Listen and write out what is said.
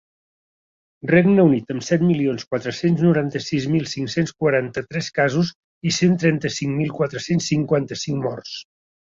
Regne Unit, amb set milions quatre-cents noranta-sis mil cinc-cents quaranta-tres casos i cent trenta-cinc mil quatre-cents cinquanta-cinc morts.